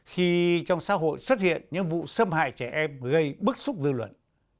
khi trong xã hội xuất hiện những vụ xâm hại trẻ em gây bức xúc dư luận